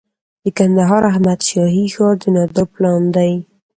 د کندهار احمد شاهي ښار د نادر پلان دی